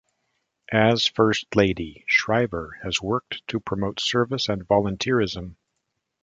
As First Lady, Shriver has worked to promote service and volunteerism.